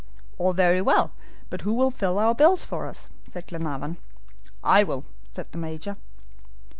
"All very well, but who will fill our bills for us?" said Glenarvan. "I will," said the Major.